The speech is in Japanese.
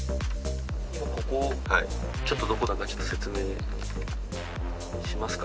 今ここちょっとどこだか説明しますか？